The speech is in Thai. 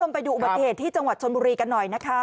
ไปดูอุบัติเหตุที่จังหวัดชนบุรีกันหน่อยนะคะ